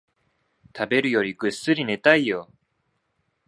食べるよりぐっすり寝たいよ